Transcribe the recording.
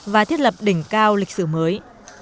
và thiết lập đỉnh cao lịch sử mới